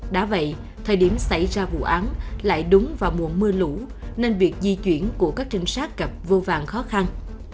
đã vậy thời điểm xảy ra vụ án lại đúng vào mùa mưa lũ nên việc di chuyển của các trinh sát gặp vô vàng khó khăn